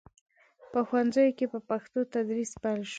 په ښوونځیو کې په پښتو تدریس پیل شو.